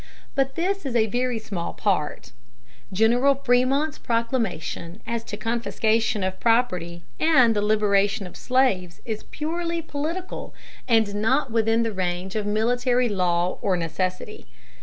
But this is a very small part. General Frémont's proclamation as to confiscation of property and the liberation of slaves is purely political, and not within the range of military law or necessity.